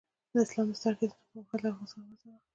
د اسلام د څرګندېدو پر مهال د افغانستان وضع وه.